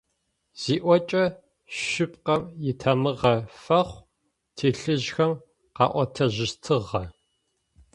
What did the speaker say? «Зиӏокӏэ шъыпкъэм итамыгъэ фэхъу», - тилӏыжъхэм къаӏотэжьыщтыгъэ.